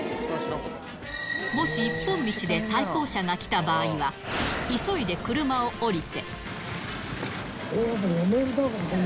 もし一本道で対向車が来た場合は、急いで車を降りて。